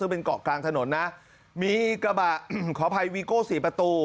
เป็นเกาะกลางถนนนะมีกระบะขอภัยวิโก้๔ประตู